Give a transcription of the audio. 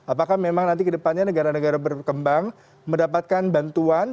apakah memang nanti kedepannya negara negara berkembang mendapatkan bantuan